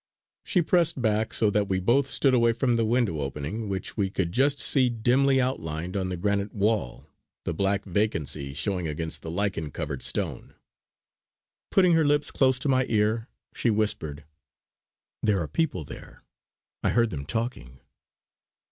She pressed back so that we both stood away from the window opening which we could just see dimly outlined on the granite wall, the black vacancy showing against the lichen covered stone. Putting her lips close to my ear she whispered: "There are people there. I heard them talking!"